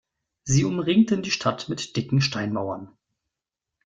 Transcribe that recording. Sie umringten die Stadt mit dicken Steinmauern.